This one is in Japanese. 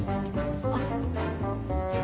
あっ。